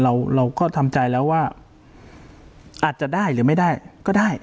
เราก็ทำใจแล้วว่าอาจจะได้หรือไม่ได้ก็ได้